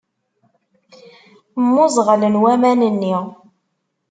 Mmuẓeɣlen waman-nni.